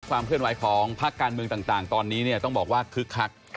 ความเคลื่อนไหวของภาคการเมืองต่างตอนนี้เนี่ยต้องบอกว่าคึกคัก